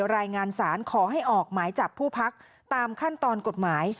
รายงานสารขอให้ออกหมายจับผู้พักตามขั้นตอนกฎหมาย